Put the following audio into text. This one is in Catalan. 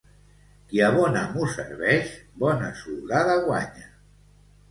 Qui a bon amo serveix, bona soldada guanya.